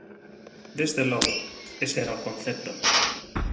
Desde logo, ese era o concepto.